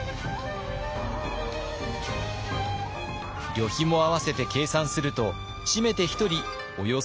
旅費も合わせて計算すると締めて１人およそ８両。